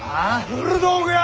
古道具屋？